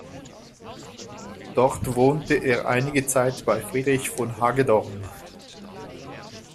Dort wohnte er einige Zeit bei Friedrich von Hagedorn.